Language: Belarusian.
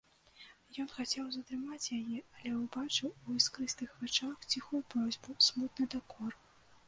Ён хацеў затрымаць яе, але ўбачыў у іскрыстых вачах ціхую просьбу, смутны дакор.